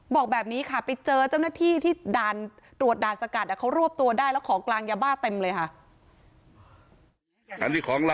บอกแบบนี้ค่ะไปเจอเจ้าหน้าที่ที่ด่านตรวจด่านสกัดเขารวบตัวได้แล้วของกลางยาบ้าเต็มเลยค่ะ